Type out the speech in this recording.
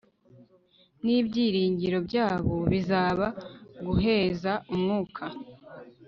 Nibyiringiro byabo bizaba guheza umwuka